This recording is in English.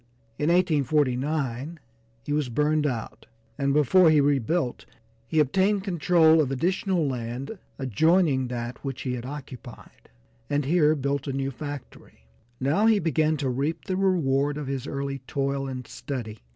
In 1849 he was burned out, and before he rebuilt he obtained control of additional land adjoining that which he had occupied, and here built a new factory. Now he began to reap the reward of his early toil and study.